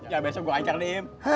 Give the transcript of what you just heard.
ya besok gua ajak di